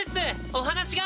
お話が！